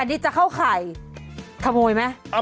อันที่จะเข้าไข่ถโมยไหม